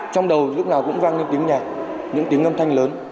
trong đầu lúc nào cũng vang lên tiếng nhạc những tiếng âm thanh lớn